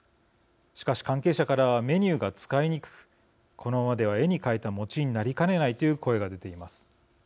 しかし関係者からはメニューが使いにくくこのままでは絵に描いた餅になりかねないという声が出ています。